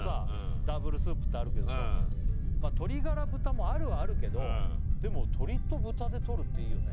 ダブルスープってあるけどさ鶏ガラ豚もあるはあるけどでも鶏と豚でとるっていいよね